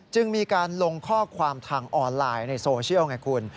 จึงมีการลงข้อความทางออนไลน์ในโซเชียลไงคุณ